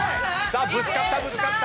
ぶつかったぶつかった！